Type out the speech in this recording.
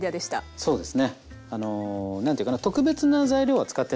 そうですね。